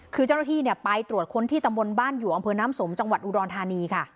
คือเจ้าหน้าที่ไปตรวจค้นที่ตำบลบ้านอยู่อำเภอน้ำสมจังหวัดอุดรธานีค่ะ